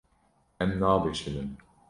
Em nabişirin.